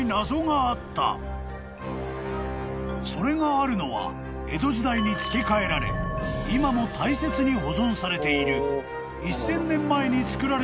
［それがあるのは江戸時代につけ替えられ今も大切に保存されている］